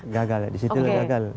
gagal disitu gagal